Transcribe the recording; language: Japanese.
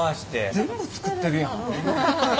全部作ってるやん。